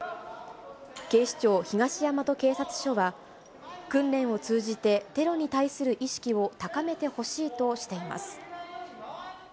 警視庁東大和警察署は、訓練を通じて、テロに対する意識を高めてほしいとしています。